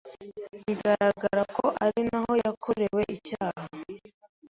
Bigaragara ko ari naho yakorewe icyaha.